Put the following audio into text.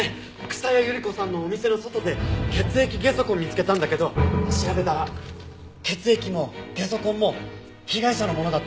草谷ゆり子さんのお店の外で血液ゲソ痕見つけたんだけど調べたら血液もゲソ痕も被害者のものだった。